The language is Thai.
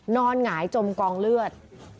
หงายจมกองเลือด